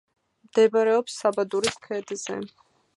მდებარეობს საბადურის ქედზე.